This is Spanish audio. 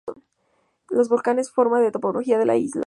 Dos volcanes forman la topografía de la isla.